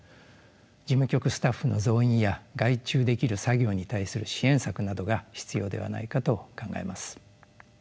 事務局スタッフの増員や外注できる作業に対する支援策などが必要ではないかと考えます。